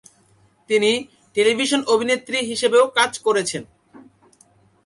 তিনি টেলিভিশন অভিনেত্রী হিসেবেও কাজ করেছেন।